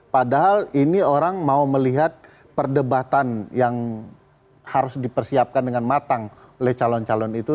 padahal ini orang mau melihat perdebatan yang harus dipersiapkan dengan matang oleh calon calon itu